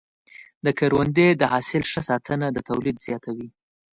د کروندې د حاصل ښه ساتنه د تولید زیاتوي.